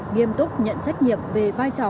nghiêm túc nhận trách nhiệm về vai trò